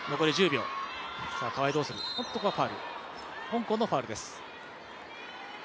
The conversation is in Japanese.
香港のファウルです。